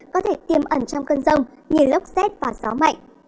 có thể tiêm ẩn trong cơn rông như lốc xét và gió mạnh